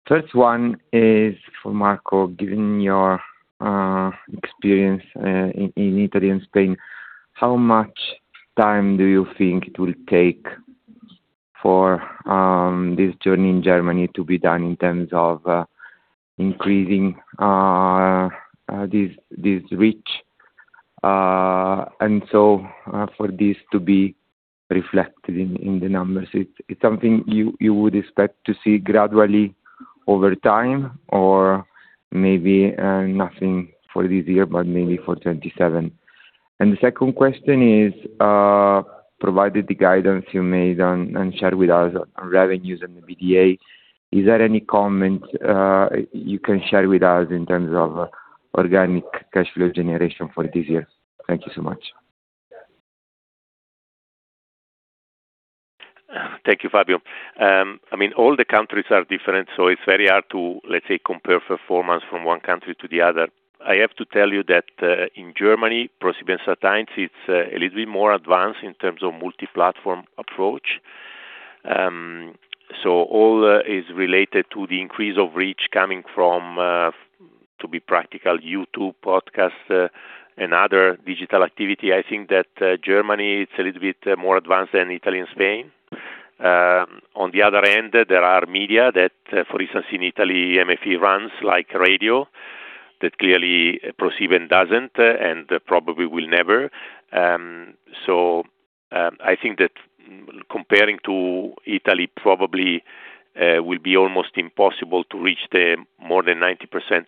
First one is for Marco. Given your experience in Italy and Spain, how much time do you think it will take for this journey in Germany to be done in terms of increasing this reach, and so for this to be reflected in the numbers? It's something you would expect to see gradually over time or maybe nothing for this year, but maybe for 2027. The second question is, provided the guidance you made and shared with us on revenues and the OIBDA, is there any comment you can share with us in terms of organic cash flow generation for this year? Thank you so much. Thank you, Fabio. I mean, all the countries are different, so it's very hard to, let's say, compare performance from one country to the other. I have to tell you that, in Germany, ProSiebenSat.1, it's a little bit more advanced in terms of multi-platform approach. So all is related to the increase of reach coming from, to be practical, YouTube, podcast, and other digital activity. I think that, Germany, it's a little bit more advanced than Italy and Spain. On the other end, there are media that, for instance, in Italy, MFE runs like radio that clearly ProSiebenSat.1 doesn't, and probably will never. So, I think that comparing to Italy probably will be almost impossible to reach the more than 90%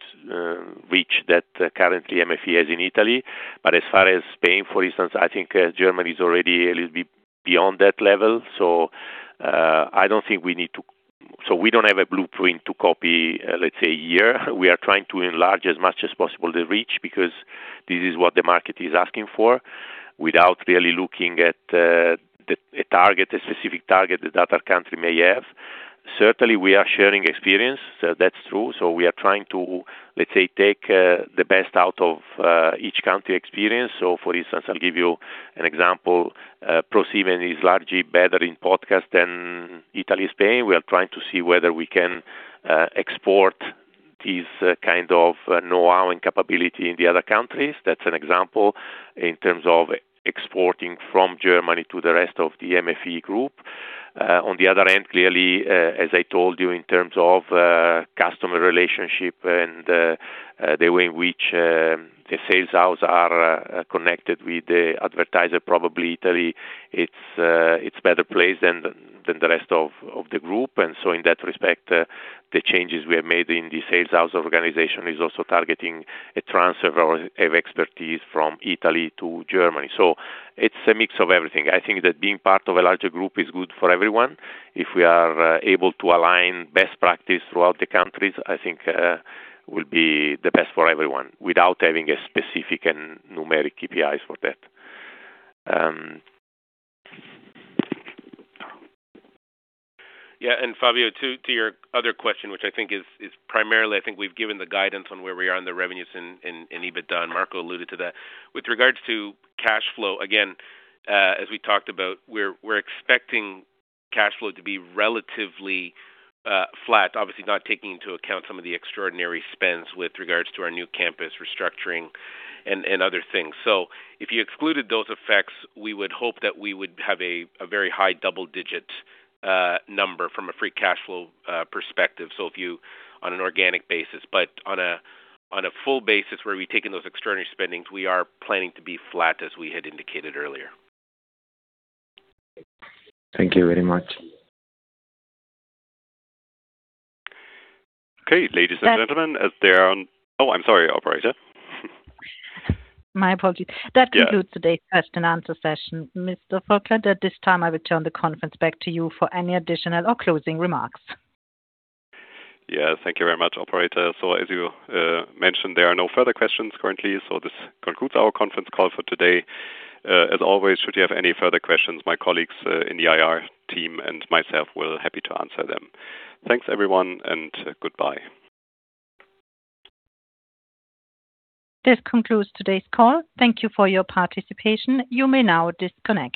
reach that currently MFE has in Italy. As far as Spain, for instance, I think Germany is already a little bit beyond that level. We don't have a blueprint to copy, let's say, here. We are trying to enlarge as much as possible the reach because this is what the market is asking for, without really looking at a specific target that our country may have. Certainly, we are sharing experience. That's true. We are trying to, let's say, take the best out of each country experience. For instance, I'll give you an example. ProSieben is largely better in podcast than Italy, Spain. We are trying to see whether we can export this kind of know-how and capability in the other countries. That's an example in terms of exporting from Germany to the rest of the MFE Group. On the other end, clearly, as I told you, in terms of customer relationship and the way in which the sales house are connected with the advertiser, probably Italy, it's better placed than the rest of the group. In that respect, the changes we have made in the sales house organization is also targeting a transfer of expertise from Italy to Germany. It's a mix of everything. I think that being part of a larger group is good for everyone. If we are able to align best practice throughout the countries, I think will be the best for everyone without having a specific and numeric KPIs for that. Fabio, to your other question, which I think is primarily, I think we've given the guidance on where we are in the revenues in EBITDA, and Marco alluded to that. With regards to cash flow, again, as we talked about, we're expecting cash flow to be relatively flat, obviously not taking into account some of the extraordinary spends with regards to our new campus restructuring and other things. If you excluded those effects, we would hope that we would have a very high double-digit number from a free cash flow perspective. On an organic basis, but on a full basis, where we take in those extraordinary spendings, we are planning to be flat as we had indicated earlier. Thank you very much. Okay. Ladies and gentlemen. Oh, I'm sorry, operator. My apologies. Yeah. That concludes today's question and answer session. Mr. Voigtländer, at this time, I will turn the conference back to you for any additional or closing remarks. Yeah. Thank you very much, operator. As you mentioned, there are no further questions currently. This concludes our conference call for today. As always, should you have any further questions, my colleagues in the IR team and myself will be happy to answer them. Thanks, everyone, and goodbye. This concludes today's call. Thank you for your participation. You may now disconnect.